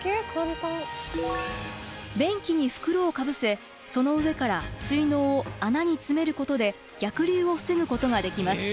便器に袋を被せその上から水のうを穴に詰めることで逆流を防ぐことができます。